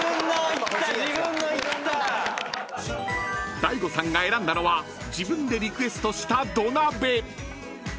［ＤＡＩＧＯさんが選んだのは自分でリクエストした土鍋］